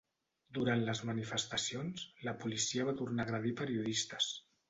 Durant les manifestacions la policia va tornar a agredir periodistes.